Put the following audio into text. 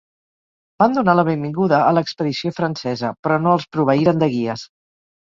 Van donar la benvinguda a l'expedició francesa, però no els proveïren de guies.